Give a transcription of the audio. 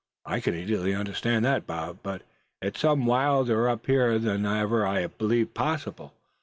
"I can easily understand that, Bob. But it's some wilder up here than ever I believed possible.